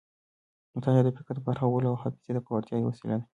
مطالعه د فکر د پراخولو او حافظې د پیاوړتیا یوه وسیله ده.